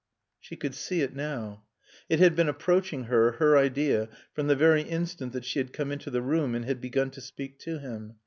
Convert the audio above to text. She could see it now. It had been approaching her, her idea, from the very instant that she had come into the room and had begun to speak to him.